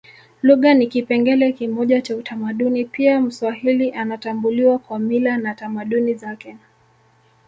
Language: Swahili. Lugha ni kipengele kimoja cha utamaduni pia mswahili anatambuliwa kwa mila na tamaduni zake